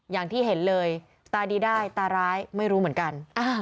อย่างที่เห็นเลยตาดีได้ตาร้ายไม่รู้เหมือนกัน